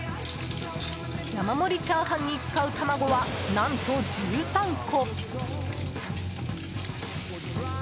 山盛りチャーハンに使う卵は何と１３個！